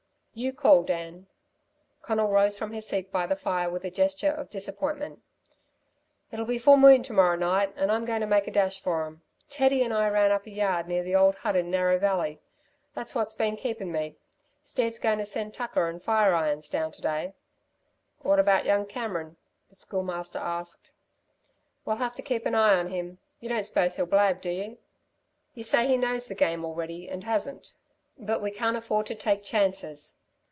"You call, Dan!" Conal rose from his seat by the fire with a gesture of disappointment. "It'll be full moon to morrow night and I'm goin' to make a dash for 'm. Teddy and I ran up a yard near the old hut in Narrow Valley. That's what's been keeping me. Steve's goin' to send tucker and fire irons down to day." "What about young Cameron?" the Schoolmaster asked. "We'll have to keep an eye on him. You don't suppose he'll blab, do you? You say he knows the game already and hasn't. But we can't afford to take chances."